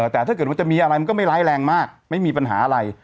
แต่ถ้าเกิดว่าจะมีอะไรมันก็ไม่ร้ายแรงมากไม่มีปัญหาอะไร